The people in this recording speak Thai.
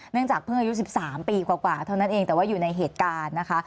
จากเพิ่งอายุ๑๓ปีกว่าเท่านั้นเองแต่ว่าอยู่ในเหตุการณ์นะคะ